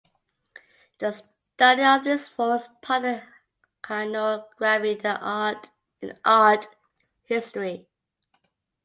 The study of these forms part of iconography in art history.